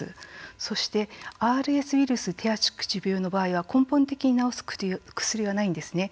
そしてＲＳウイルス手足口病の場合は根本的に治す薬はないんですね。